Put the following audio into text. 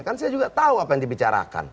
kan saya juga tahu apa yang dibicarakan